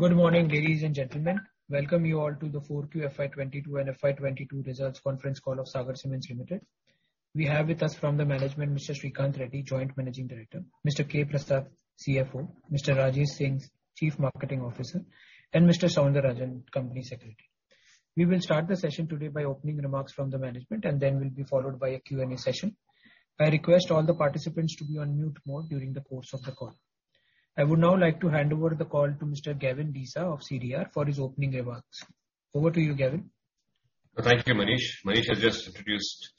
Good morning, ladies and gentlemen. Welcome you all to the 4Q FY2022 and FY2022 results conference call of Sagar Cements Limited. We have with us from the management, Mr. S. Sreekanth Reddy, Joint Managing Director, Mr. K. Prasad, CFO, Mr. Rajesh Singh, Chief Marketing Officer, and Mr. Soundararajan, Company Secretary. We will start the session today by opening remarks from the management, and then will be followed by a Q&A session. I request all the participants to be on mute mode during the course of the call. I would now like to hand over the call to Mr. Gavin Desa of CDR for his opening remarks. Over to you, Gavin. Thank you, Manish. Manish has just introduced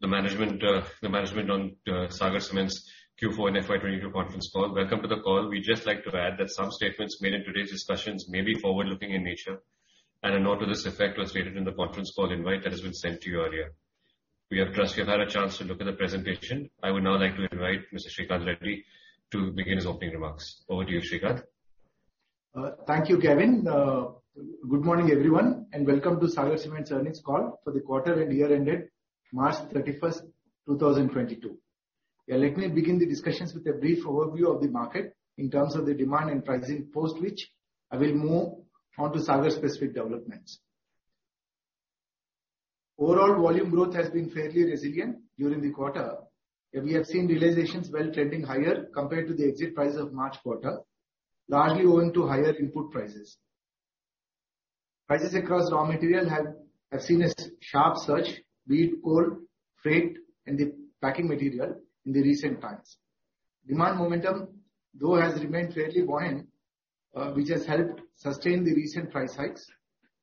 the management on Sagar Cements' Q4 and FY22 conference call. Welcome to the call. We'd just like to add that some statements made in today's discussions may be forward-looking in nature, and a note to this effect was stated in the conference call invite that has been sent to you earlier. We trust you've had a chance to look at the presentation. I would now like to invite Mr. S. Sreekanth Reddy to begin his opening remarks. Over to you, S. Sreekanth. Thank you, Gavin. Good morning, everyone, and welcome to Sagar Cements' earnings call for the quarter and year ended March thirty-first, two thousand twenty-two. Let me begin the discussions with a brief overview of the market in terms of the demand and pricing, post which I will move on to Sagar specific developments. Overall volume growth has been fairly resilient during the quarter. We have seen realizations well trending higher compared to the exit price of March quarter, largely owing to higher input prices. Prices across raw material have seen a sharp surge, be it coal, freight and the packing material in the recent times. Demand momentum though has remained fairly buoyant, which has helped sustain the recent price hikes.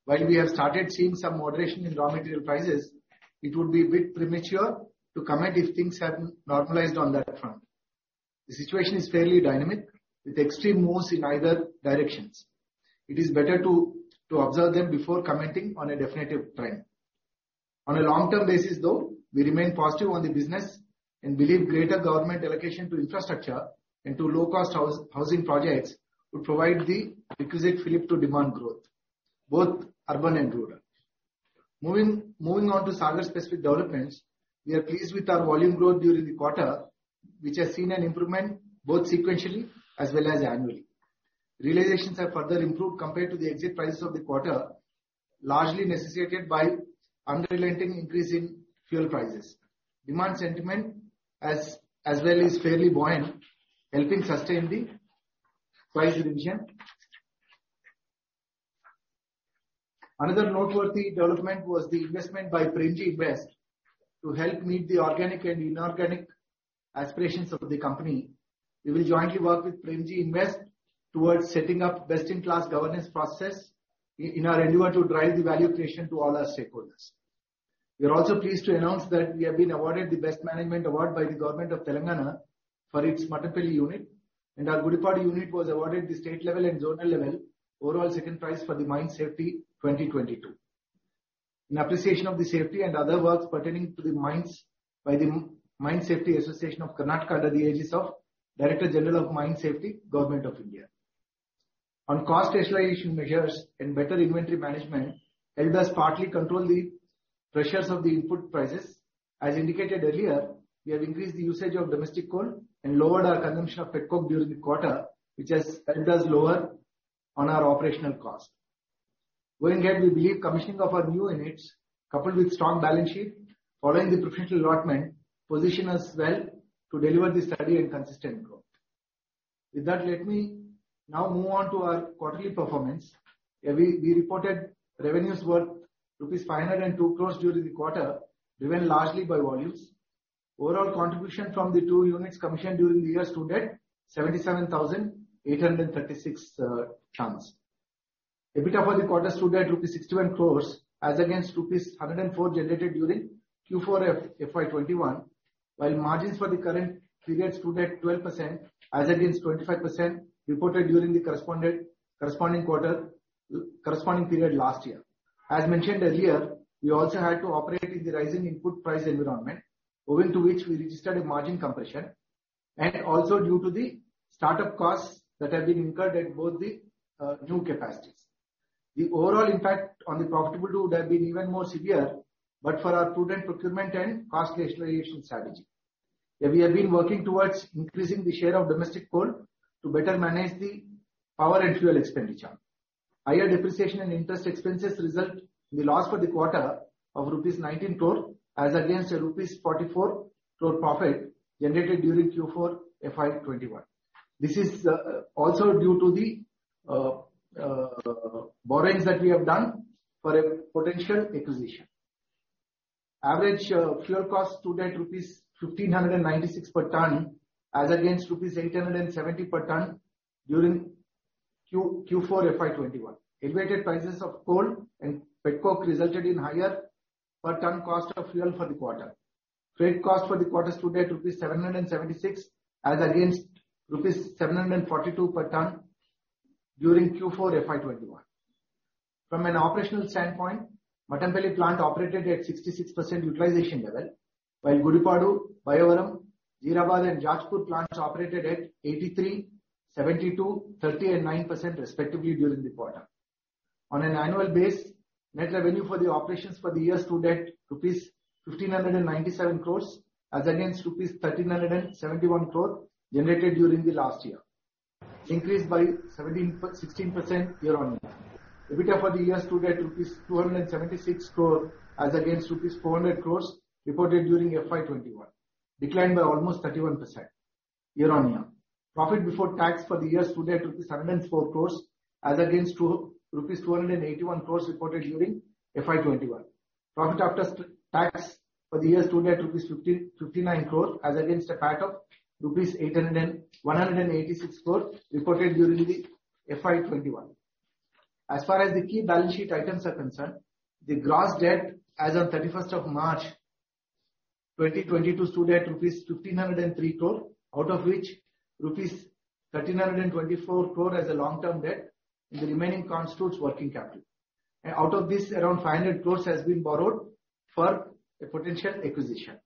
While we have started seeing some moderation in raw material prices, it would be a bit premature to comment if things have normalized on that front. The situation is fairly dynamic with extreme moves in either directions. It is better to observe them before commenting on a definitive trend. On a long-term basis though, we remain positive on the business and believe greater government allocation to infrastructure into low-cost housing projects would provide the requisite flip to demand growth, both urban and rural. Moving on to Sagar specific developments, we are pleased with our volume growth during the quarter, which has seen an improvement both sequentially as well as annually. Realizations have further improved compared to the exit prices of the quarter, largely necessitated by unrelenting increase in fuel prices. Demand sentiment as well is fairly buoyant, helping sustain the price revision. Another noteworthy development was the investment by Premji Invest to help meet the organic and inorganic aspirations of the company. We will jointly work with Premji Invest towards setting up best-in-class governance process in our endeavor to drive the value creation to all our stakeholders. We are also pleased to announce that we have been awarded the Best Management Award by the Government of Telangana for its Mattampally unit, and our Gudipadu unit was awarded the state level and zonal level overall second prize for the Mine Safety 2022. In appreciation of the safety and other works pertaining to the mines by the Mines Safety Association of Karnataka under the aegis of Director General of Mines Safety, Government of India. Our cost rationalization measures and better inventory management helped us partly control the pressures of the input prices. As indicated earlier, we have increased the usage of domestic coal and lowered our consumption of petcoke during the quarter, which has helped us lower our operational cost. Going ahead, we believe commissioning of our new units, coupled with strong balance sheet following the preferential allotment, position us well to deliver the steady and consistent growth. With that, let me now move on to our quarterly performance. We reported revenues worth rupees 502 crore during the quarter, driven largely by volumes. Overall contribution from the two units commissioned during the year stood at 77,836 tons. EBITDA for the quarter stood at rupees 61 crore as against rupees 104 crore generated during Q4 FY 2021, while margins for the current period stood at 12% as against 25% reported during the corresponding quarter, corresponding period last year. As mentioned earlier, we also had to operate in the rising input price environment, owing to which we registered a margin compression and also due to the startup costs that have been incurred at both the new capacities. The overall impact on the profitability would have been even more severe, but for our prudent procurement and cost rationalization strategy. Yeah, we have been working towards increasing the share of domestic coal to better manage the power and fuel expenditure. Higher depreciation and interest expenses result in the loss for the quarter of rupees 19 crore as against a rupees 44 crore profit generated during Q4 FY 2021. This is also due to the borrowings that we have done for a potential acquisition. Average fuel cost stood at rupees 1,596 per ton as against rupees 870 per ton during Q4 FY 2021. Elevated prices of coal and petcoke resulted in higher per ton cost of fuel for the quarter. Freight cost for the quarter stood at rupees 776 as against rupees 742 per ton during Q4 FY 2021. From an operational standpoint, Mattampally plant operated at 66% utilization level, while Gudipadu, Bayyavaram, Jeerabad and Jajpur plants operated at 83%, 72%, 30% and 9% respectively during the quarter. On an annual basis, net revenue for the operations for the year stood at rupees 1,597 crore as against rupees 1,371 crore generated during the last year, increased by 16% year on year. EBITDA for the year stood at INR 276 crore as against INR 400 crore reported during FY 2021, declined by almost 31% year-on-year. Profit before tax for the year stood at rupees 104 crore as against rupees 281 crore reported during FY 2021. Profit after tax for the year stood at 59 crore as against a PAT of 186 crore reported during the FY 2021. As far as the key balance sheet items are concerned, the gross debt as on 31st of March 2022 stood at rupees 1,503 crore, out of which rupees 1,324 crore as a long-term debt, and the remaining constitutes working capital. Out of this, around 500 crore has been borrowed for a potential acquisition.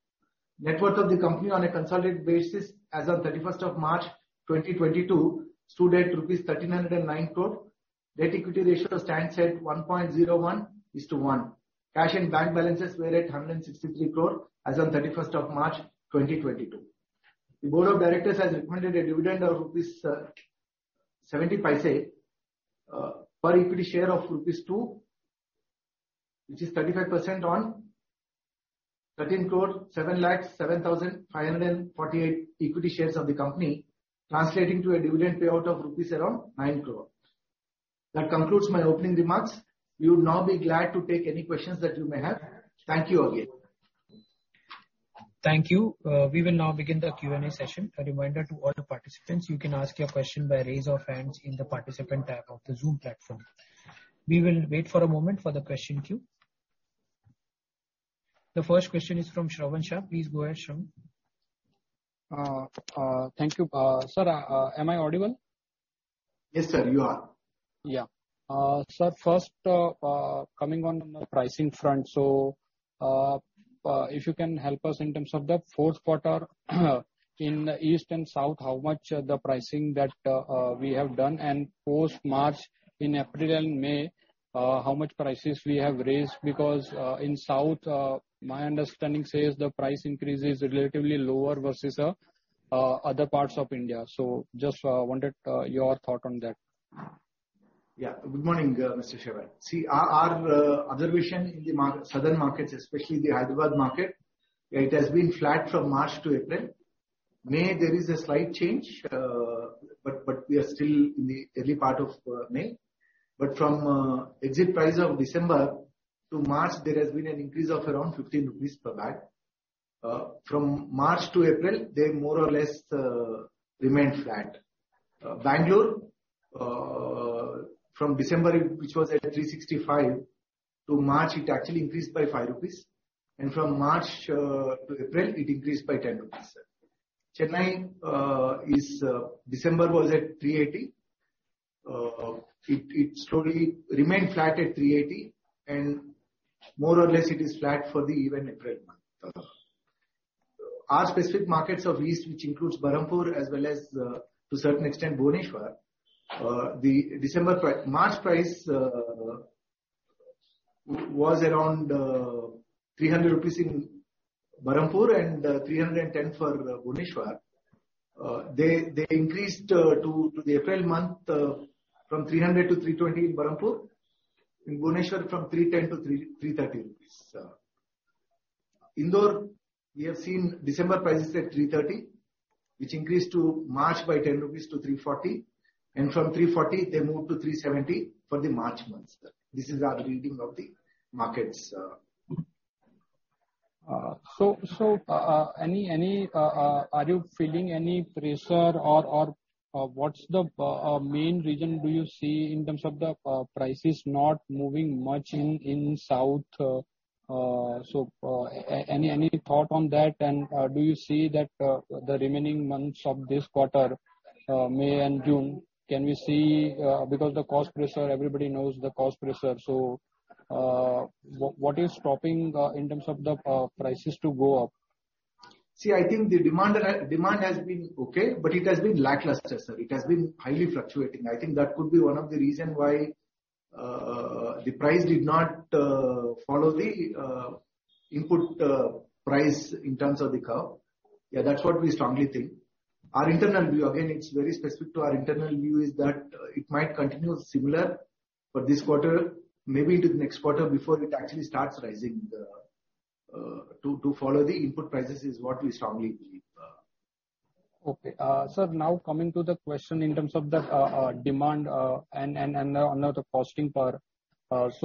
Net worth of the company on a consolidated basis as of 31st of March 2022 stood at INR 1,309 crore. Debt equity ratio stands at 1.01:1. Cash and bank balances were at 163 crore as on 31st of March 2022. The board of directors has recommended a dividend of 0.70 per equity share of rupees 2, which is 35% on 130,707,548 equity shares of the company, translating to a dividend payout of around nine crore rupees. That concludes my opening remarks. We would now be glad to take any questions that you may have. Thank you again. Thank you. We will now begin the Q&A session. A reminder to all participants, you can ask your question by raise of hands in the participant tab of the Zoom platform. We will wait for a moment for the question queue. The first question is from Shravan Shah. Please go ahead, Shravan. Thank you. Sir, am I audible? Yes, sir, you are. Yeah. Sir, first, coming on the pricing front. If you can help us in terms of the fourth quarter in East and South, how much the pricing that we have done. Post-March, in April and May, how much prices we have raised? Because in South, my understanding says the price increase is relatively lower versus other parts of India. Just wanted your thought on that. Yeah. Good morning, Mr. Shravan. See our observation in the southern markets, especially the Hyderabad market. It has been flat from March to April. May there is a slight change, but we are still in the early part of May. From exit price of December to March, there has been an increase of around 15 rupees per bag. From March to April, they more or less remained flat. Bangalore, from December, which was at 365, to March it actually increased by five rupees. From March to April it increased by 10 rupees. Chennai, December was at 380. It slowly remained flat at 380 and more or less it is flat for the even April month. Our specific markets of East, which includes Berhampur as well as, to certain extent Bhubaneswar, the December-March price was around 300 rupees in Berhampur and 310 for Bhubaneswar. They increased to the April month, from 300 to 320 in Berhampur. In Bhubaneswar from 310 to 330 rupees. Indore we have seen December prices at 330, which increased to March by 10 rupees to 340. From 340 they moved to 370 for the March month. This is our reading of the markets. Are you feeling any pressure or what's the main reason do you see in terms of the prices not moving much in South? Any thought on that? Do you see that the remaining months of this quarter, May and June, can we see because the cost pressure, everybody knows the cost pressure. What is stopping in terms of the prices to go up? See, I think the demand has been okay, but it has been lackluster, sir. It has been highly fluctuating. I think that could be one of the reason why the price did not follow the input price in terms of the curve. Yeah, that's what we strongly think. Our internal view, again, it's very specific to our internal view, is that it might continue similar for this quarter, maybe to the next quarter before it actually starts rising. To follow the input prices is what we strongly believe. Okay. Sir, now coming to the question in terms of the demand and the costing part. If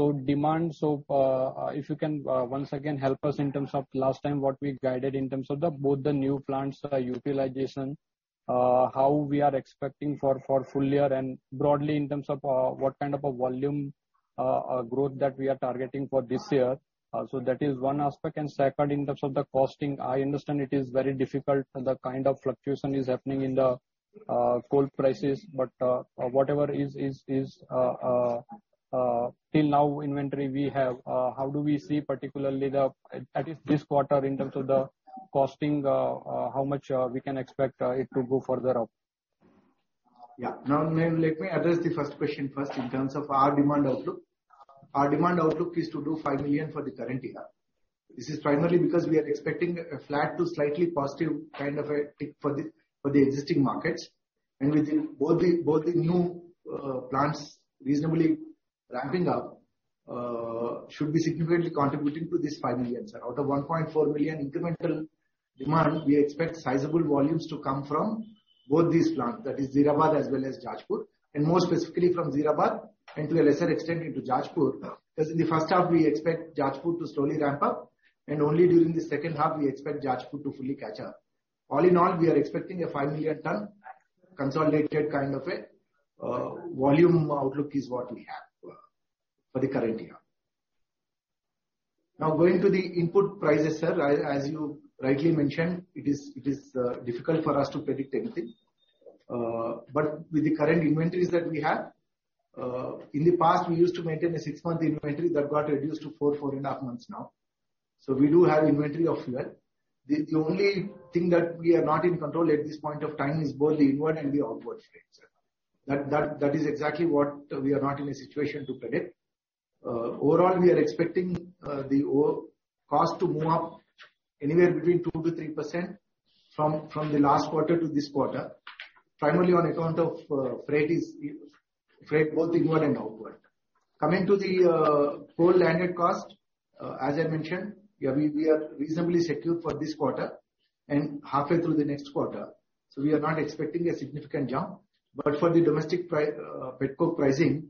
you can once again help us in terms of last time what we guided in terms of both the new plants utilization, how we are expecting for full year and broadly in terms of what kind of a volume growth that we are targeting for this year. That is one aspect. Second, in terms of the costing, I understand it is very difficult. The kind of fluctuation is happening in the coal prices. Whatever is till now inventory we have, how do we see particularly, at least this quarter, in terms of the costing, how much we can expect it to go further up? Yeah. Now, let me address the first question first in terms of our demand outlook. Our demand outlook is to do 5 million for the current year. This is primarily because we are expecting a flat to slightly positive kind of an uptick for the existing markets. With both the new plants reasonably ramping up, should be significantly contributing to this 5 million, sir. Out of 1.4 million incremental demand, we expect sizable volumes to come from both these plants, that is, Jeerabad as well as Gudipadu, and more specifically from Jeerabad, and to a lesser extent into Gudipadu. Because in the first half we expect Gudipadu to slowly ramp up, and only during the second half we expect Gudipadu to fully catch up. All in all, we are expecting a 5 million ton consolidated kind of a volume outlook is what we have for the current year. Now going to the input prices, sir. As you rightly mentioned, it is difficult for us to predict anything. With the current inventories that we have, in the past, we used to maintain a six month inventory that got reduced to four and a half months now. We do have inventory of fuel. The only thing that we are not in control at this point of time is both the inward and the outward streams. That is exactly what we are not in a situation to predict. Overall, we are expecting the cost to move up anywhere between 2%-3% from the last quarter to this quarter. Primarily on account of freight both inward and outward. Coming to the coal landed cost, as I mentioned, we are reasonably secured for this quarter and halfway through the next quarter, so we are not expecting a significant jump. For the domestic petcoke pricing,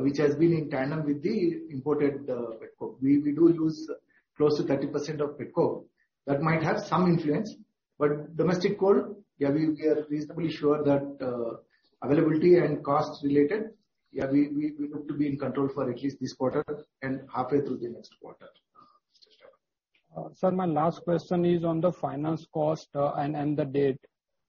which has been in tandem with the imported petcoke. We do use close to 30% of petcoke. That might have some influence, but domestic coal, we are reasonably sure that availability and costs related, we hope to be in control for at least this quarter and halfway through the next quarter. Sir, my last question is on the finance cost and the debt.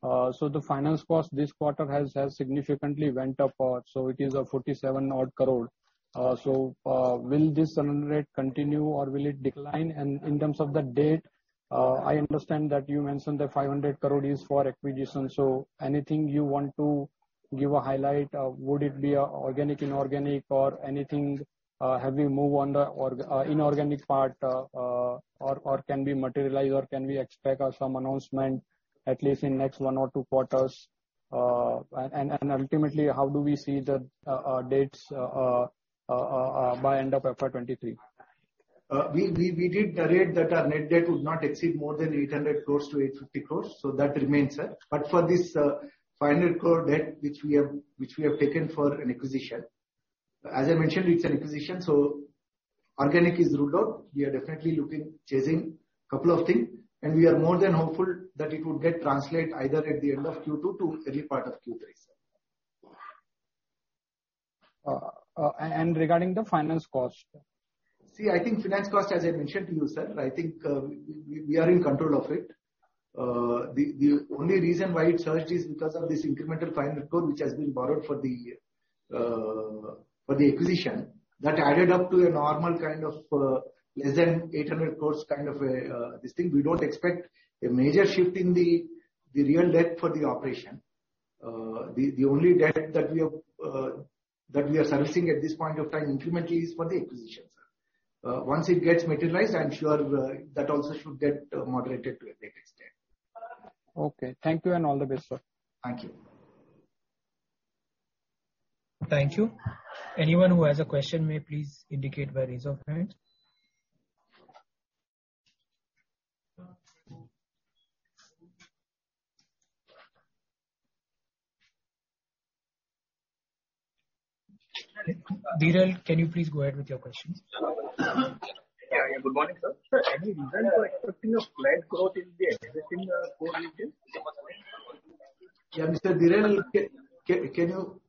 The finance cost this quarter has significantly went up, so it is 47 odd crore. Will this run rate continue or will it decline? In terms of the debt, I understand that you mentioned that 500 crore is for acquisition. Anything you want to give a highlight? Would it be organic, inorganic or anything? Have you moved on the inorganic part, or can we materialize or can we expect some announcement at least in next one or two quarters? Ultimately, how do we see the debt by end of FY 2023? We did a cap that our net debt would not exceed more than 800 crore-850 crore, so that remains, sir. For this, final core debt which we have taken for an acquisition. As I mentioned, it's an acquisition, so organic is ruled out. We are definitely looking, chasing couple of things, and we are more than hopeful that it would get translate either at the end of Q2 to early part of Q3. Regarding the finance cost. See, I think finance cost, as I mentioned to you, sir, I think, we are in control of it. The only reason why it surged is because of this incremental funding which has been borrowed for the acquisition. That added up to a normal kind of less than 800 crore kind of a this thing. We don't expect a major shift in the real debt for the operation. The only debt that we have that we are servicing at this point of time incrementally is for the acquisition, sir. Once it gets materialized, I'm sure that also should get moderated to a great extent. Okay. Thank you and all the best, sir. Thank you. Thank you. Anyone who has a question may please indicate by raise of hand. Dhiral, can you please go ahead with your question? Yeah, good morning, sir. Sir, any reason for expecting a flat growth in the existing, core regions? Yeah, Mr. Dhiral, can you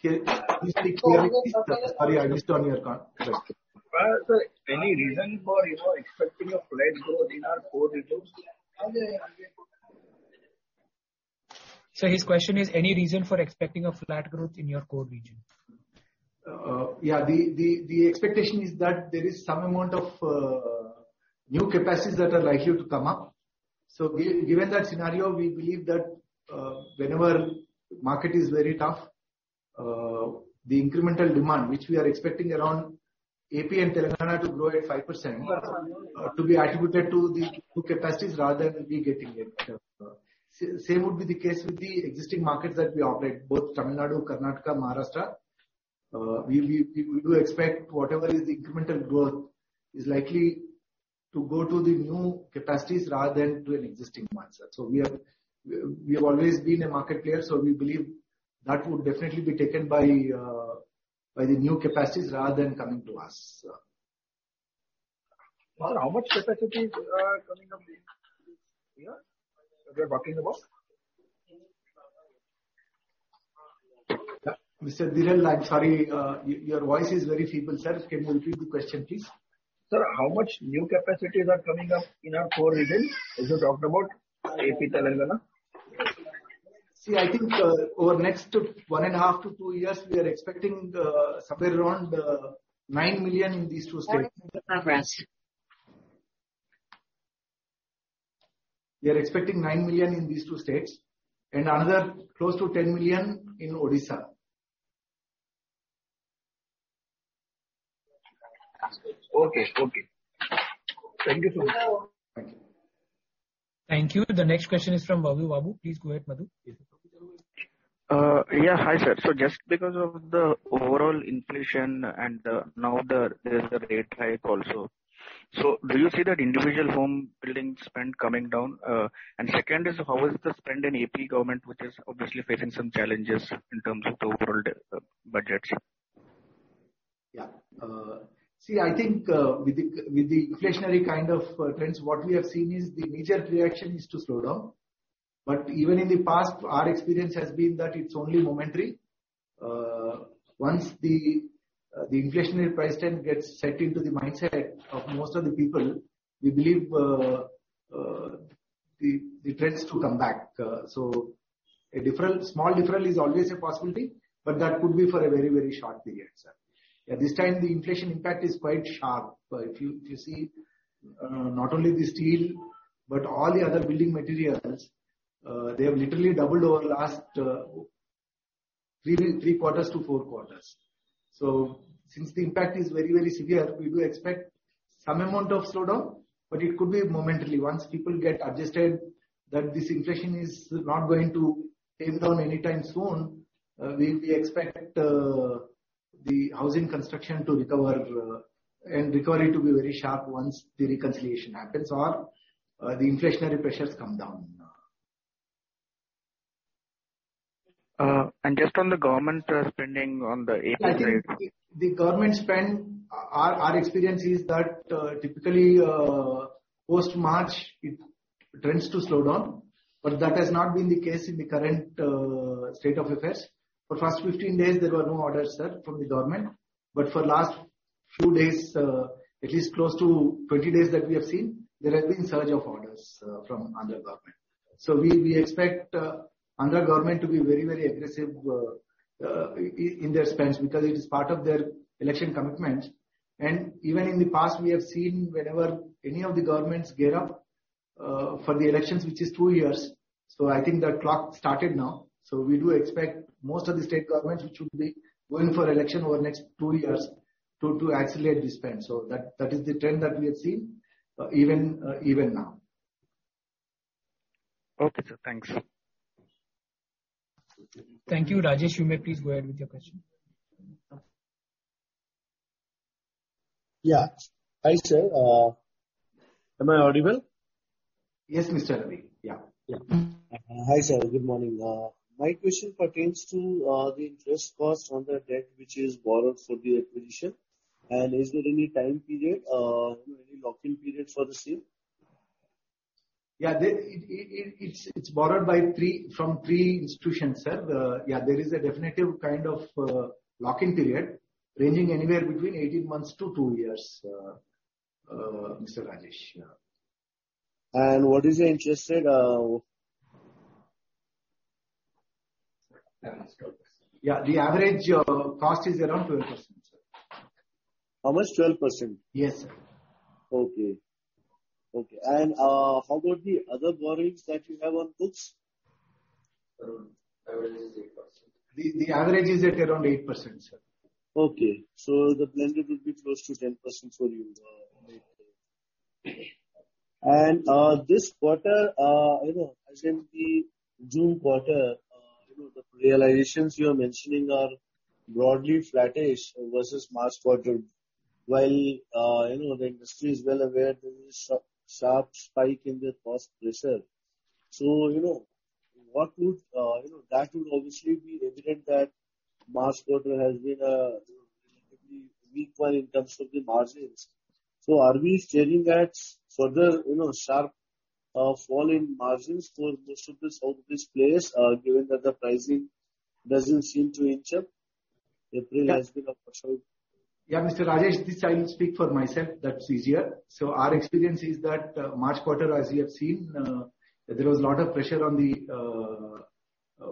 please speak clearly, sir? Sorry, I just turned your mic on. Sorry. Any reason for, you know, expecting a flat growth in our core regions? Sir, his question is there any reason for expecting a flat growth in your core region? Yeah. The expectation is that there is some amount of new capacities that are likely to come up. Given that scenario, we believe that whenever market is very tough, the incremental demand which we are expecting around AP and Telangana to grow at 5% to be attributed to the new capacities rather than we getting it. Same would be the case with the existing markets that we operate, both Tamil Nadu, Karnataka, Maharashtra. We do expect whatever is incremental growth is likely to go to the new capacities rather than to an existing one, sir. We have always been a market player, so we believe that would definitely be taken by the new capacities rather than coming to us. Sir, how much capacities are coming up in here that we are talking about? Mr. Dhiren, I'm sorry, your voice is very feeble, sir. Can you repeat the question, please? Sir, how much new capacities are coming up in our core regions as you talked about AP, Telangana? See, I think, over next 1.5-2 years, we are expecting, somewhere around, 9 million in these two states. 9 million capacity. We are expecting 9 million in these two states, and another close to 10 million in Odisha. Okay. Thank you so much. Thank you. Thank you. The next question is from Babu. Babu. Please go ahead, Madhu. Hi, sir. Just because of the overall inflation and now there is a rate hike also, do you see that individual home building spend coming down? Second is, how is the spend in AP government, which is obviously facing some challenges in terms of the overall budget? Yeah. See, I think with the inflationary kind of trends, what we have seen is the major reaction is to slow down. Even in the past, our experience has been that it's only momentary. Once the inflationary price trend gets set into the mindset of most of the people, we believe the trends to come back. A small difference is always a possibility, but that could be for a very, very short period, sir. At this time, the inflation impact is quite sharp. If you see, not only the steel, but all the other building materials, they have literally doubled over last three quarters to four quarters. Since the impact is very, very severe, we do expect some amount of slowdown, but it could be momentarily. Once people get adjusted that this inflation is not going to tame down anytime soon, we expect the housing construction to recover, and recovery to be very sharp once the reconciliation happens or the inflationary pressures come down. Just on the government spending on the AP. The government spend, our experience is that, typically, post-March, it tends to slow down. That has not been the case in the current state of affairs. For first 15 days there were no orders, sir, from the government. For last few days, at least close to 20 days that we have seen, there has been surge of orders from Andhra government. We expect Andhra government to be very aggressive in their spends because it is part of their election commitment. Even in the past we have seen whenever any of the governments gear up for the elections, which is two years. I think that clock started now, so we do expect most of the state governments which will be going for election over the next two years to accelerate the spend. That is the trend that we have seen, even now. Okay, sir. Thanks. Thank you. Rajesh, you may please go ahead with your question. Yeah. Hi, sir. Am I audible? Yes, Mr. Rajesh. Yeah. Yeah. Hi, sir. Good morning. My question pertains to the interest cost on the debt which is borrowed for the acquisition. Is there any time period, any locking period for the same? Yeah. It's borrowed from three institutions, sir. There is a definitive kind of locking period ranging anywhere between 18 months to two years, Mr. Rajesh Singh. Yeah. What is the interest rate? Yeah. The average cost is around 12%, sir. How much? 12%? Yes. Okay, how about the other borrowings that you have on books? The average is at around 8%, sir. Okay. The blended will be close to 10% for you. This quarter, you know, as in the June quarter, you know, the realizations you are mentioning are broadly flattish versus last quarter. While, you know, the industry is well aware there is a sharp spike in the cost pressure. That would obviously be evident that last quarter has been a, you know, relatively weak one in terms of the margins. Are we staring at further, you know, sharp fall in margins for most of the southeast players, given that the pricing doesn't seem to inch up? April has been a push-out. Yeah, Mr. Rajesh, this I will speak for myself. That's easier. Our experience is that, March quarter, as you have seen, there was a lot of pressure on the,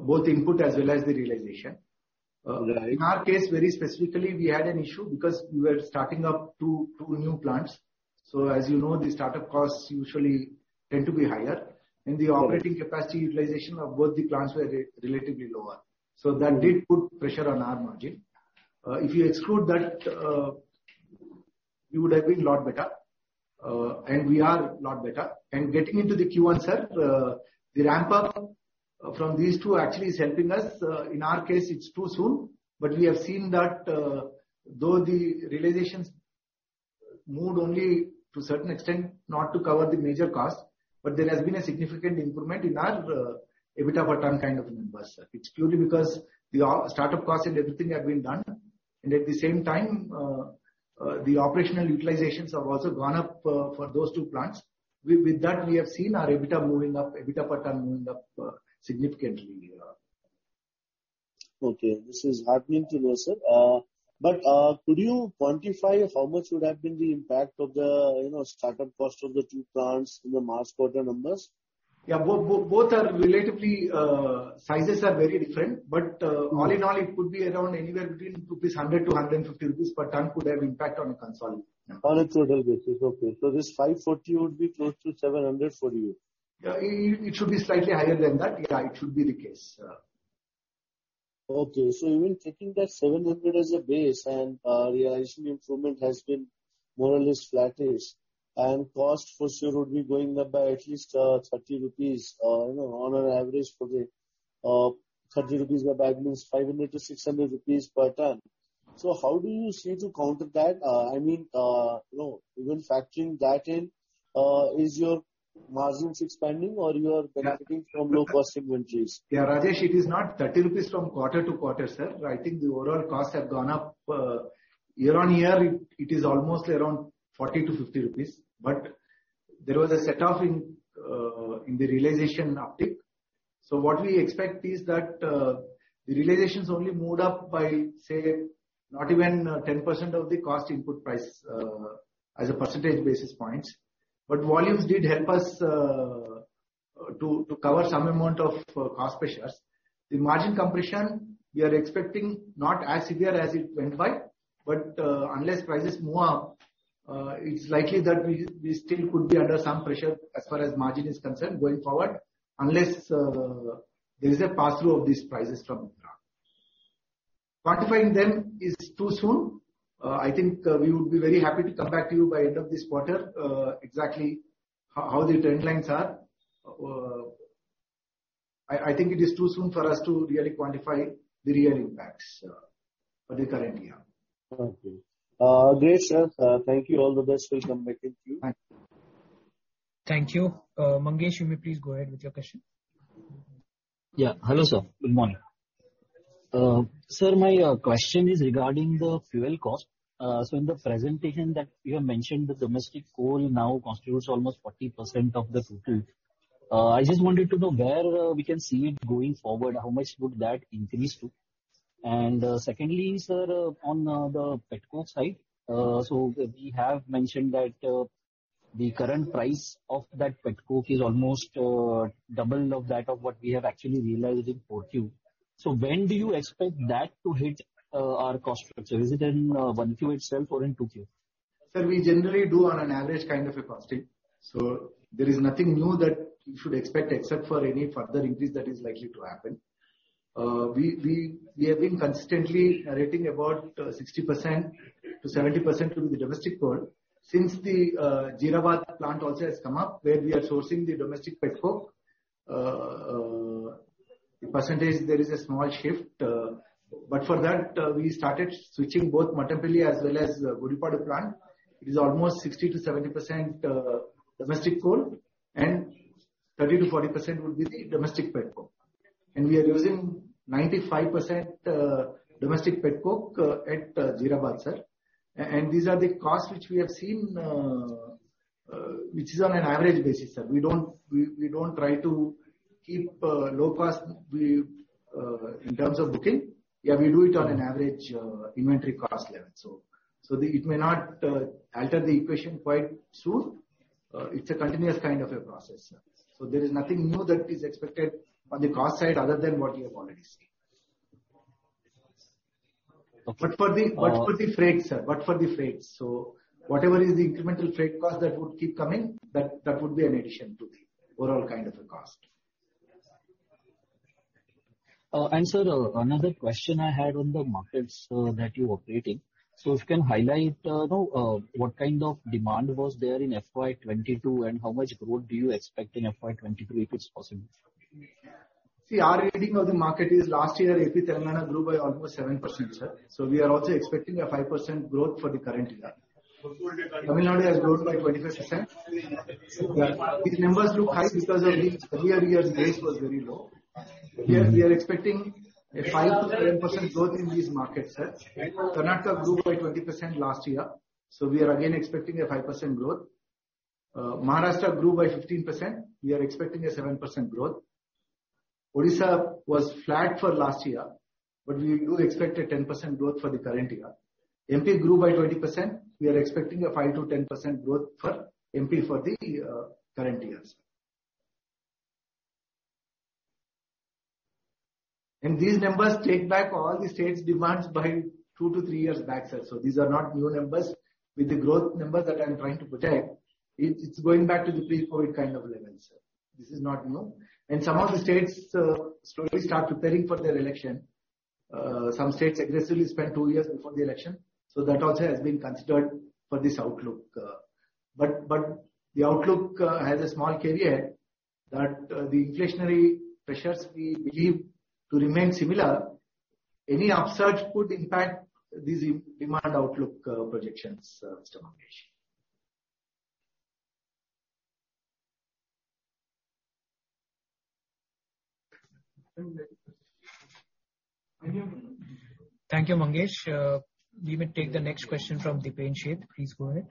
both input as well as the realization. Right. In our case, very specifically, we had an issue because we were starting up two new plants. As you know, the startup costs usually tend to be higher. The operating capacity utilization of both the plants were relatively lower. That did put pressure on our margin. If you exclude that, we would have been a lot better, and we are a lot better. Getting into the Q1, sir, the ramp-up from these two actually is helping us. In our case, it's too soon, but we have seen that, though the realizations moved only to a certain extent, not to cover the major cost, but there has been a significant improvement in our EBITDA ton kind of numbers, sir. It's purely because the startup costs and everything have been done. At the same time, the operational utilizations have also gone up for those two plants. With that, we have seen our EBITDA moving up, EBITDA per ton moving up significantly. Okay. This is heartening to hear, sir. Could you quantify how much would have been the impact of the, you know, startup cost of the two plants in the last quarter numbers? Yeah, both are relatively sizes are very different. All in all, it could be around anywhere between 100-150 rupees per ton could have impact on the consolidated. On a total basis. Okay. This 540 would be close to 700 for you. Yeah. It should be slightly higher than that. Yeah, it should be the case. Yeah. Okay. Even taking that 700 as a base and realization improvement has been more or less flattish. Cost for sure would be going up by at least 30 rupees, you know, on an average for the 30 rupees go back means 500-600 rupees per ton. How do you see to counter that? I mean, you know, even factoring that in, is your margins expanding or you are benefiting from low cost inventories? Yeah, Rajesh, it is not 30 rupees quarter-over-quarter, sir. I think the overall costs have gone up year-over-year. It is almost around 40-50 rupees. There was a set off in the realization uptick. What we expect is that the realization's only moved up by, say, not even 10% of the cost input price as a percentage basis points. Volumes did help us to cover some amount of cost pressures. The margin compression we are expecting not as severe as it went by, unless prices move, it's likely that we still could be under some pressure as far as margin is concerned going forward, unless there is a pass-through of these prices from raw. Quantifying them is too soon. I think we would be very happy to come back to you by end of this quarter, exactly how the trend lines are. I think it is too soon for us to really quantify the real impacts for the current year. Okay. Great, sir. Thank you. All the best. We'll come back to you. Thank you. Thank you. Mangesh, you may please go ahead with your question. Yeah. Hello, sir. Good morning. Sir, my question is regarding the fuel cost. In the presentation that you have mentioned, the domestic coal now constitutes almost 40% of the total. I just wanted to know where we can see it going forward. How much would that increase to? Secondly, sir, on the petcoke side. We have mentioned that the current price of that petcoke is almost double of that of what we have actually realized in 4Q. When do you expect that to hit our cost structure? Is it in 1Q itself or in 2Q? Sir, we generally do on an average kind of a costing. There is nothing new that you should expect except for any further increase that is likely to happen. We have been consistently narrating about 60%-70% through the domestic coal. Since the Jeerabad plant also has come up, where we are sourcing the domestic petcoke. The percentage there is a small shift, but for that, we started switching both Mattampally as well as Gudipadu plant. It is almost 60%-70% domestic coal and 30%-40% would be the domestic petcoke. We are using 95% domestic petcoke at Jeerabad, sir. These are the costs which we have seen, which is on an average basis, sir. We don't try to keep low cost. We, in terms of booking, yeah, we do it on an average inventory cost level. It may not alter the equation quite soon. It's a continuous kind of a process. There is nothing new that is expected on the cost side other than what we have already seen. Okay. For the freight, sir. Whatever is the incremental freight cost that would keep coming, that would be an addition to the overall kind of a cost. Sir, another question I had on the markets that you're operating. If you can highlight, you know, what kind of demand was there in FY 2022 and how much growth do you expect in FY 2022, if it's possible. See, our reading of the market is last year AP Telangana grew by almost 7%, sir. We are also expecting a 5% growth for the current year. Tamil Nadu has grown by 25%. These numbers look high because of the earlier year's base was very low. Here we are expecting a 5%-10% growth in these markets, sir. Karnataka grew by 20% last year, we are again expecting a 5% growth. Maharashtra grew by 15%. We are expecting a 7% growth. Odisha was flat for last year, but we do expect a 10% growth for the current year. MP grew by 20%. We are expecting a 5%-10% growth for MP for the current year. These numbers take back all the state's demands by two to three years back, sir. These are not new numbers. With the growth numbers that I'm trying to project, it's going back to the pre-COVID kind of levels, sir. This is not new. Some of the states slowly start preparing for their election. Some states aggressively spend two years before the election. That also has been considered for this outlook. But the outlook has a small caveat that the inflationary pressures we believe to remain similar. Any upsurge could impact this demand outlook projections, Mr. Mangesh. Thank you, Mangesh. We will take the next question from Dipen Sheth. Please go ahead.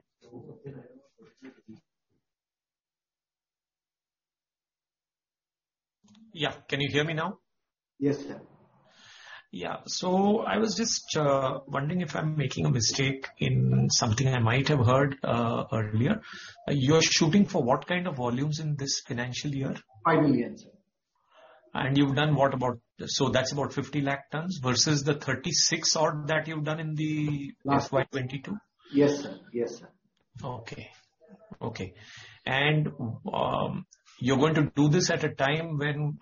Yeah. Can you hear me now? Yes, sir. Yeah. I was just wondering if I'm making a mistake in something I might have heard earlier. You're shooting for what kind of volumes in this financial year? 5 million, sir. You've done what about. That's about 50 lakh tons versus the 36-odd that you've done in the- Last year. FY 2022. Yes, sir. Yes, sir. Okay. You're going to do this at a time when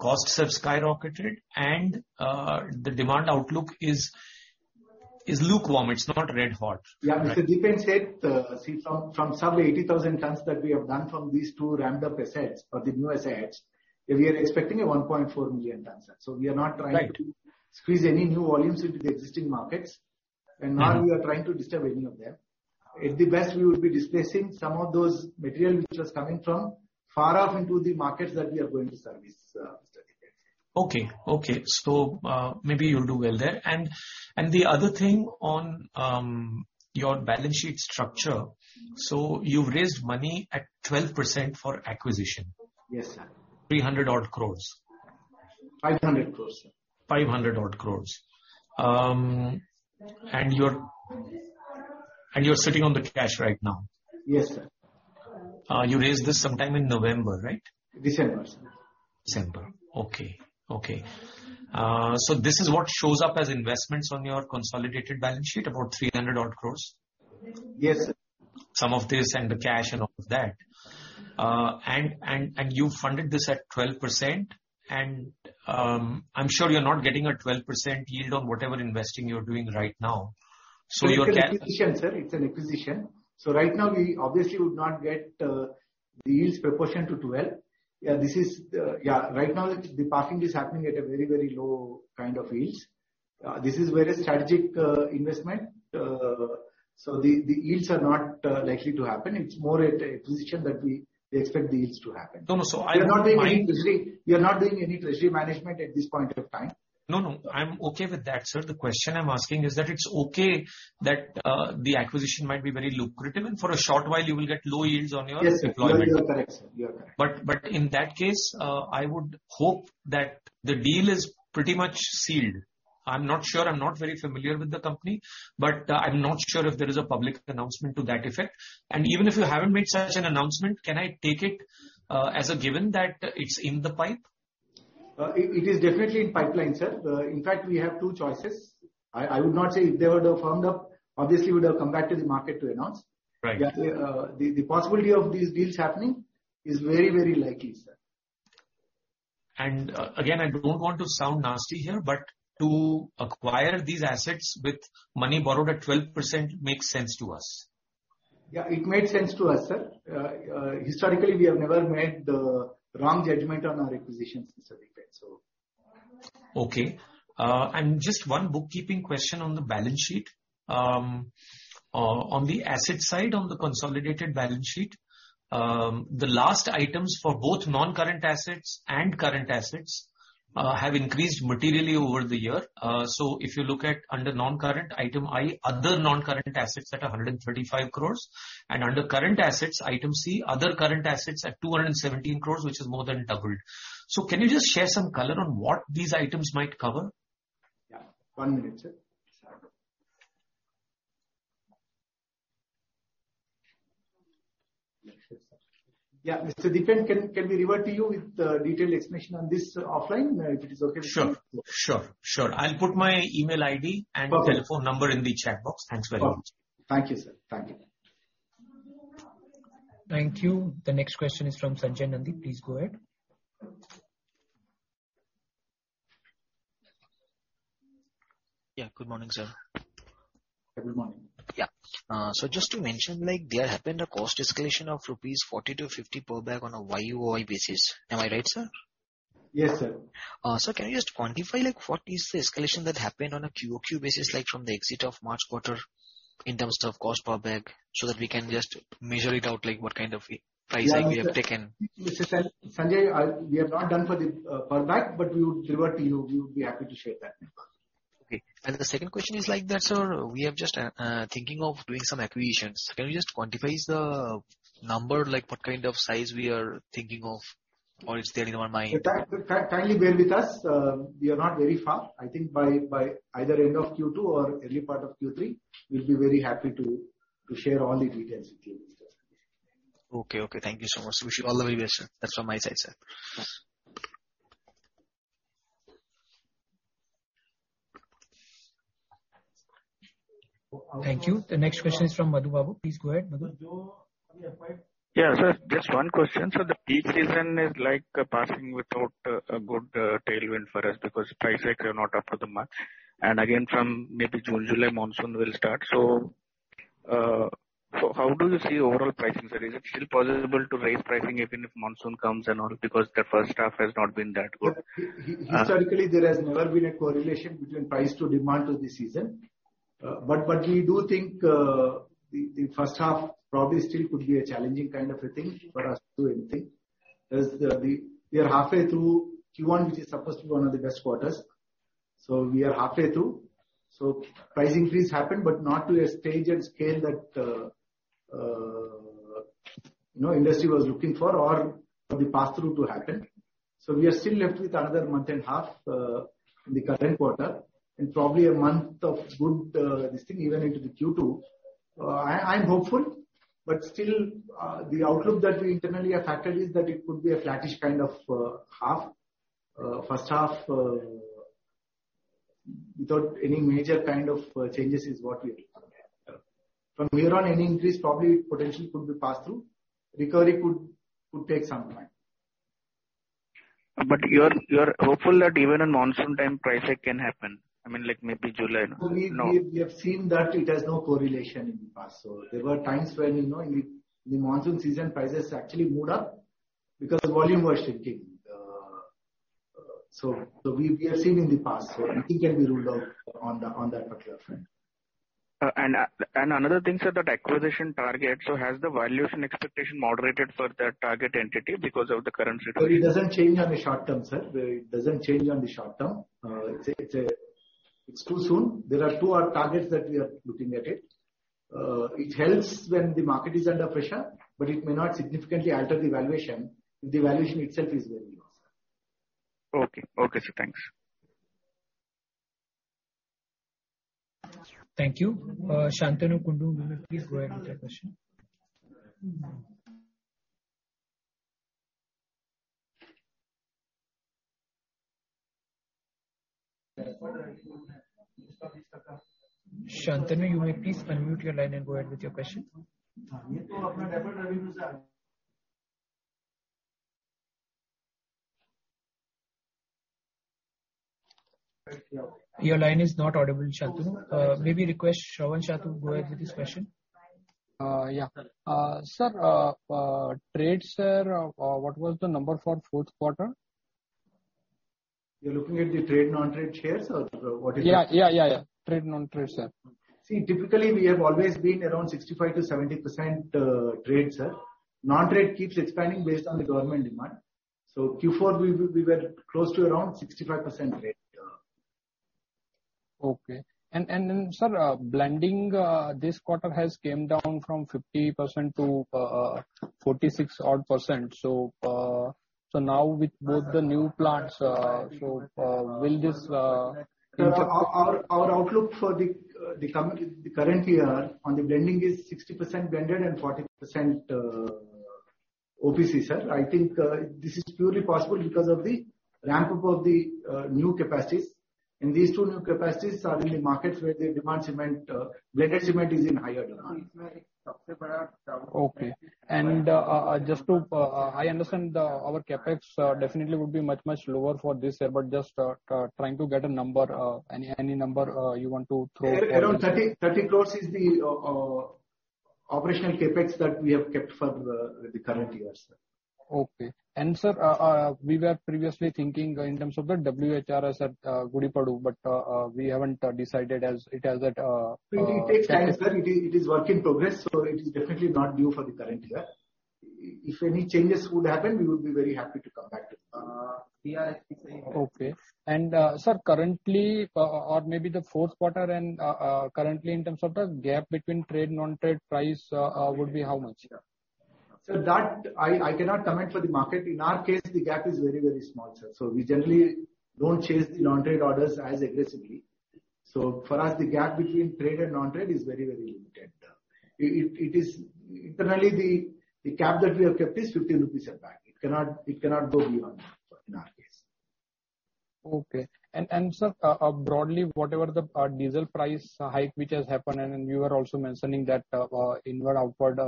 costs have skyrocketed and the demand outlook is lukewarm. It's not red hot. Yeah. Mr. Dipen Sheth said, see, from some 80,000 tons that we have done from these two ramped up assets or the new assets, we are expecting 1.4 million tons. We are not trying to- Right. Squeeze any new volumes into the existing markets. Mm-hmm. Now we are trying to disturb any of them. At best we will be displacing some of those material which was coming from far off into the markets that we are going to service, Mr. Dipen Sheth. Okay, maybe you'll do well there. The other thing on your balance sheet structure. You've raised money at 12% for acquisition. Yes, sir. 300-odd crore. 500 crores, sir. 500-odd crore. You're sitting on the cash right now? Yes, sir. You raised this sometime in November, right? December, sir. December. Okay. This is what shows up as investments on your consolidated balance sheet, about 300-odd crore? Yes, sir. Some of this and the cash and all of that. You funded this at 12%. I'm sure you're not getting a 12% yield on whatever investing you're doing right now. Your cash It's an acquisition, sir. Right now we obviously would not get the yields proportional to 12. Yeah, this is yeah, right now the parking is happening at a very low kind of yields. This is very strategic investment. The yields are not likely to happen. It's more at a position that we expect the yields to happen. No. We are not doing any treasury. We are not doing any treasury management at this point of time. No, no. I'm okay with that, sir. The question I'm asking is that it's okay that the acquisition might be very lucrative, and for a short while you will get low yields on your deployment. Yes. You are correct, sir. You are correct. In that case, I would hope that the deal is pretty much sealed. I'm not sure. I'm not very familiar with the company. I'm not sure if there is a public announcement to that effect. Even if you haven't made such an announcement, can I take it as a given that it's in the pipeline? It is definitely in pipeline, sir. In fact, we have two choices. I would not say if they would have firmed up, obviously we would have come back to the market to announce. Right. The possibility of these deals happening is very, very likely, sir. Again, I don't want to sound nasty here, but to acquire these assets with money borrowed at 12% makes sense to us? Yeah, it made sense to us, sir. Historically, we have never made the wrong judgment on our acquisitions, Mr. Dipen Sheth, so. Okay. Just one bookkeeping question on the balance sheet. On the asset side, on the consolidated balance sheet, the last items for both non-current assets and current assets have increased materially over the year. If you look at under non-current item I, other non-current assets at 135 crores. Under current assets, item C, other current assets at 217 crores, which has more than doubled. Can you just share some color on what these items might cover? Yeah. One minute, sir. Yeah. Mr. Dipen Sheth, can we revert to you with the detailed explanation on this offline? If it is okay with you. Sure. I'll put my email ID. Okay. telephone number in the chat box. Thanks very much. Okay. Thank you, sir. Thank you. Thank you. The next question is from Sanjay Nandi. Please go ahead. Yeah. Good morning, sir. Good morning. Yeah. Just to mention, like, there happened a cost escalation of 40-50 rupees per bag on a YoY basis. Am I right, sir? Yes, sir. Can you just quantify, like, what is the escalation that happened on a QoQ basis, like, from the exit of March quarter in terms of cost per bag, so that we can just measure it out, like, what kind of pricing you have taken? Yeah. Mr. Sanjay, we have not done for the per bag, but we would revert to you. We would be happy to share that. Okay. The second question is like that, sir, we have just thinking of doing some acquisitions. Can you just quantify the number, like what kind of size we are thinking of, or it's there in your mind? Kindly bear with us. We are not very far. I think by either end of Q2 or early part of Q3, we'll be very happy to share all the details with you, Mr. Sanjay Nandi. Okay. Thank you so much. Wish you all the very best, sir. That's all my side, sir. Thanks. Thank you. The next question is from Madhu Babu. Please go ahead, Madhu. Just one question. The peak season is like passing without a good tailwind for us because price hikes are not up to the mark. From maybe June, July monsoon will start. How do you see overall pricing, sir? Is it still possible to raise pricing even if monsoon comes and all because the first half has not been that good? Historically, there has never been a correlation between price to demand to the season. But we do think the first half probably still could be a challenging kind of a thing for us to even think. We are halfway through Q1, which is supposed to be one of the best quarters. We are halfway through. Price increase happened, but not to a stage and scale that, you know, industry was looking for or for the pass-through to happen. We are still left with another month and half in the current quarter and probably a month of good this thing even into the Q2. I'm hopeful, but still, the outlook that we internally have factored is that it could be a flattish kind of first half without any major kind of changes is what we are looking at. From here on, any increase probably potentially could be pass-through. Recovery could take some time. You're hopeful that even in monsoon time, price hike can happen? I mean, like maybe July or no? We have seen that it has no correlation in the past. There were times when, you know, in the monsoon season, prices actually moved up because volume was shifting. We have seen in the past. Nothing can be ruled out on that particular front. Another thing, sir, that acquisition target. Has the valuation expectation moderated for that target entity because of the current situation? It doesn't change in the short term, sir. It's too soon. There are two targets that we are looking at. It helps when the market is under pressure, but it may not significantly alter the valuation if the valuation itself is very low, sir. Okay. Okay, sir. Thanks. Thank you. Shantanu Kundu, please go ahead with your question. Shantanu, you may please unmute your line and go ahead with your question. Your line is not audible, Shantanu. May we request Shravan Shah to go ahead with his question? Yeah. Sir, what was the number for fourth quarter? You're looking at the trade non-trade shares or the auditors? Yeah. Trade non-trade, sir. See, typically we have always been around 65%-70% trade, sir. Non-trade keeps expanding based on the government demand. Q4, we were close to around 65% trade. Yeah. Okay. Then, sir, blending this quarter has came down from 50% to 46 odd percent. Now with both the new plants, will this impact? Our outlook for the current year on the blending is 60% blended and 40% OPC, sir. I think this is purely possible because of the ramp-up of the new capacities. These two new capacities are in the markets where blended cement is in higher demand. Okay. I understand our CapEx definitely would be much lower for this year, but just trying to get a number, any number you want to throw for this. Around 30 crore is the operational CapEx that we have kept for the current year, sir. Okay. Sir, we were previously thinking in terms of the WHRS at Gudipadu, but we haven't decided as it has that. It takes time, sir. It is work in progress, so it is definitely not due for the current year. If any changes would happen, we would be very happy to come back to you. We are actually saying that. Sir, currently in terms of the gap between trade non-trade price, would be how much? Sir, I cannot comment for the market. In our case, the gap is very, very small, sir. We generally don't chase the non-trade orders as aggressively. For us, the gap between trade and non-trade is very, very limited. It is internal cap that we have kept is 50 rupees a bag. It cannot go beyond that in our case Okay. Sir, broadly, whatever the diesel price hike which has happened, and you were also mentioning that, inward, outward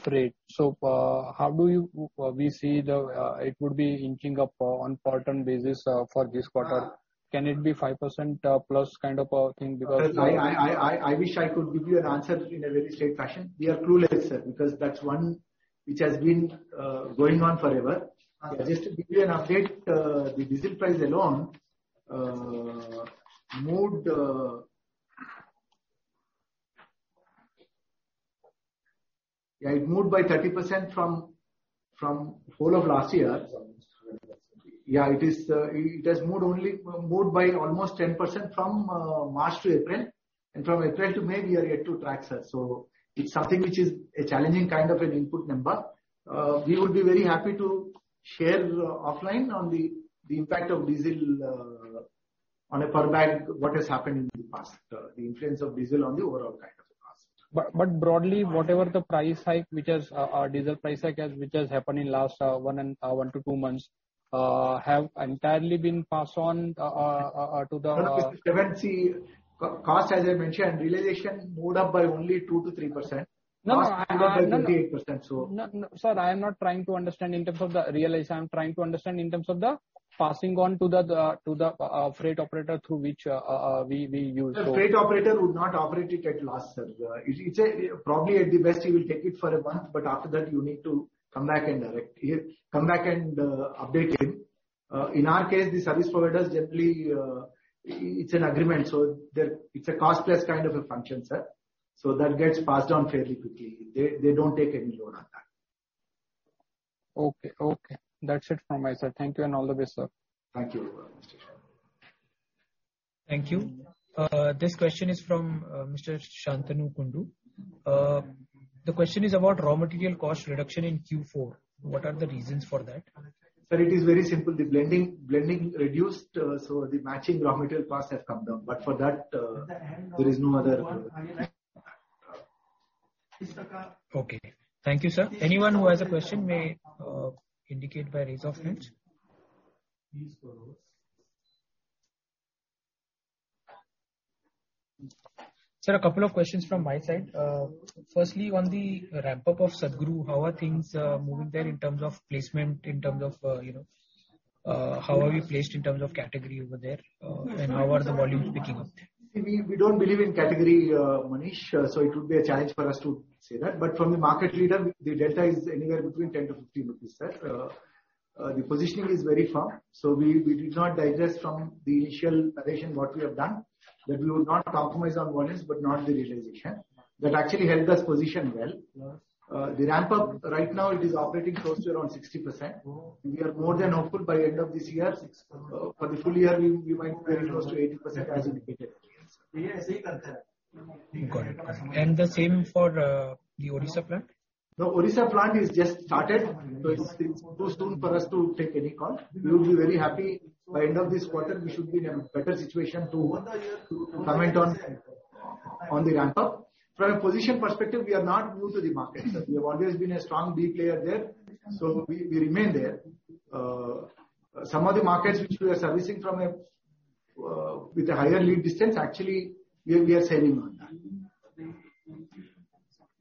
freight. How do you see it inching up on a quarter-on-quarter basis for this quarter? Can it be 5% plus kind of a thing because? Sir, I wish I could give you an answer in a very straight fashion. We are clueless, sir, because that's one which has been going on forever. Just to give you an update, the diesel price alone moved. Yeah, it moved by 30% from whole of last year. Yeah, it has moved only by almost 10% from March to April. From April to May, we are yet to track, sir. It's something which is a challenging kind of an input number. We would be very happy to share offline on the impact of diesel on a per bag, what has happened in the past, the influence of diesel on the overall kind of a cost. Broadly, whatever the diesel price hike which has happened in the last one to two months have entirely been passed on to the Sir, see, the cost, as I mentioned, realization moved up by only 2%-3%. No, I. Cost moved up by 38%. No, no. Sir, I am not trying to understand in terms of the realization. I'm trying to understand in terms of the passing on to the freight operator through which we use for- Sir, freight operator would not operate it at loss, sir. It's probably at best he will take it for a month, but after that you need to come back and direct. Come back and update him. In our case, the service providers generally, it's an agreement, so there it's a cost plus kind of a function, sir. That gets passed on fairly quickly. They don't take any load on that. Okay, okay. That's it from my side. Thank you and all the best, sir. Thank you. Thank you. This question is from Mr. Shantanu Kundu. The question is about raw material cost reduction in Q4. What are the reasons for that? Sir, it is very simple. The blending reduced, so the matching raw material costs have come down. For that, there is no other. Okay. Thank you, sir. Anyone who has a question may indicate by raise of hands. Sir, a couple of questions from my side. Firstly, on the ramp-up of Satguru, how are things moving there in terms of placement, in terms of, you know, how are you placed in terms of category over there, and how are the volumes picking up? See, we don't believe in category, Manish, so it would be a challenge for us to say that. From the market leader, the delta is anywhere between 10-15 rupees, sir. The positioning is very firm, so we did not digress from the initial narration what we have done. That we will not compromise on volumes, but not the realization. That actually helped us position well. Yes. The ramp-up right now it is operating close to around 60%. Oh. We are more than hopeful by end of this year. 60%. For the full year, we might be very close to 80% as indicated. Got it. The same for the Odisha plant? The Odisha plant is just started, so it's too soon for us to take any call. We would be very happy. By end of this quarter, we should be in a better situation to comment on the ramp-up. From a position perspective, we are not new to the market. We have always been a strong player there. We remain there. Some of the markets which we are servicing from a with a higher lead distance, actually we are scaling on that.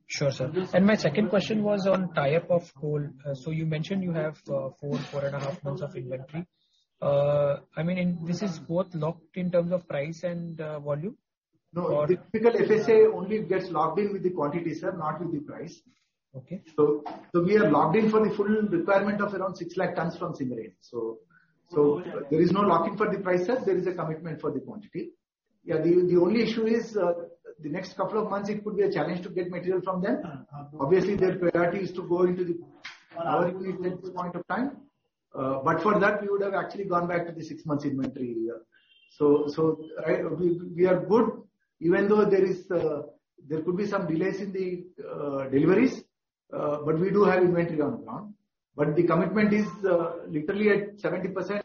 Sure, sir. My second question was on tie-up of coal. You mentioned you have four and a half months of inventory. I mean, this is both locked in terms of price and volume? Or No. Typical FSA only gets locked in with the quantities, sir, not with the price. Okay. We are locked in for the full requirement of around 600,000 tons from Singrauli. There is no locking for the prices. There is a commitment for the quantity. Yeah. The only issue is the next couple of months it could be a challenge to get material from them. Obviously, their priority is to go into the power units at this point of time. For that, we would have actually gone back to the 6 months inventory. We are good. Even though there could be some delays in the deliveries, but we do have inventory on the ground. The commitment is literally at 70%.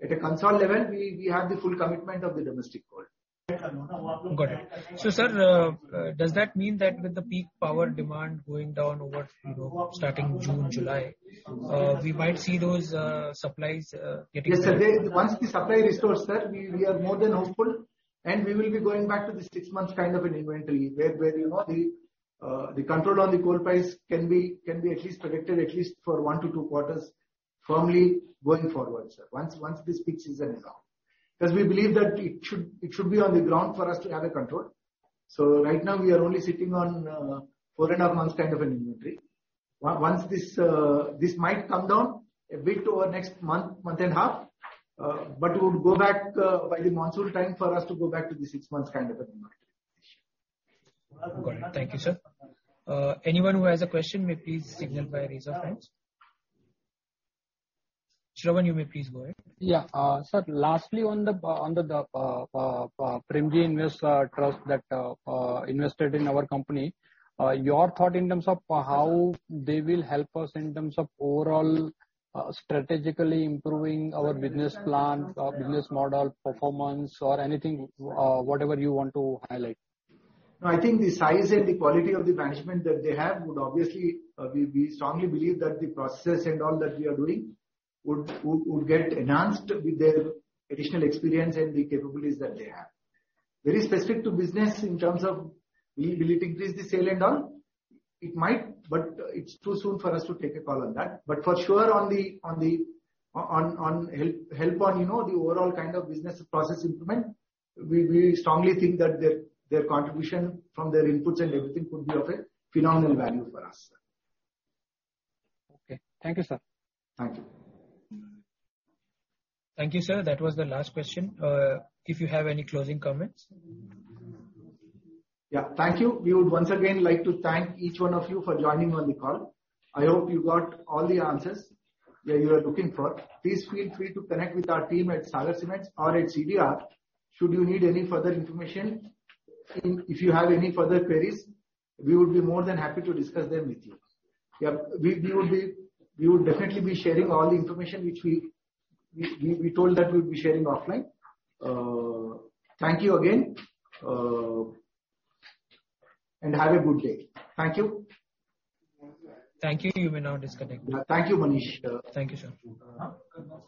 At a consolidated level, we have the full commitment of the domestic coal. Got it. Sir, does that mean that with the peak power demand going down over, you know, starting June, July, we might see those supplies getting- Yes, sir. Once the supply restores, sir, we are more than hopeful, and we will be going back to the six months kind of an inventory, where you know, the control on the coal price can be at least predicted at least for 1-2 quarters firmly going forward, sir, once this peak season is off. Because we believe that it should be on the ground for us to have a control. Right now we are only sitting on four and a half months kind of an inventory. Once this might come down a bit over next month and a half, but we would go back by the monsoon time for us to go back to the six months kind of an inventory. Got it. Thank you, sir. Anyone who has a question may please signal by raise of hands. Shravan, you may please go ahead. Yeah. Sir, lastly on the Premji Invest Trust that invested in our company, your thought in terms of how they will help us in terms of overall strategically improving our business plan, our business model, performance or anything, whatever you want to highlight. No, I think the size and the quality of the management that they have would obviously. We strongly believe that the processes and all that we are doing would get enhanced with their additional experience and the capabilities that they have. Very specific to business in terms of will it increase the scale and all? It might, but it's too soon for us to take a call on that. For sure, on the help on, you know, the overall kind of business process improvement, we strongly think that their contribution from their inputs and everything could be of a phenomenal value for us, sir. Okay. Thank you, sir. Thank you. Thank you, sir. That was the last question. If you have any closing comments? Yeah. Thank you. We would once again like to thank each one of you for joining on the call. I hope you got all the answers that you were looking for. Please feel free to connect with our team at Sagar Cements or at CDR should you need any further information. If you have any further queries, we would be more than happy to discuss them with you. Yeah. We would definitely be sharing all the information which we told that we'd be sharing offline. Thank you again, and have a good day. Thank you. Thank you. You may now disconnect. Thank you, Manish. Thank you, sir. Uh.